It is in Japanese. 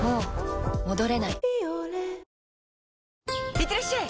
いってらっしゃい！